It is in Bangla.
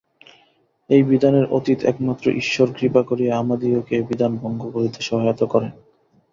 এই বিধানের অতীত একমাত্র ঈশ্বর কৃপা করিয়া আমাদিগকে এ বিধান ভঙ্গ করিতে সহায়তা করেন।